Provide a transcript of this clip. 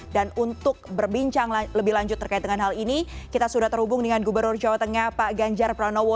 dan untuk berbincang lebih lanjut terkait dengan hal ini kita sudah terhubung dengan gubernur jawa tengah pak ganjar pranowo